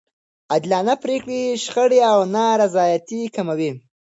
عادلانه پرېکړې شخړې او نارضایتي کموي.